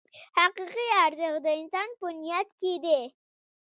حقیقي ارزښت د انسان په نیت کې دی.